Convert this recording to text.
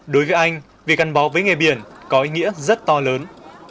đối với anh việc gắn bó với nghề biển có ý nghĩa rất to lớn